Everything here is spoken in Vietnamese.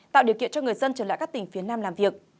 tạo điều kiện cho người dân trở lại các tỉnh phía nam làm việc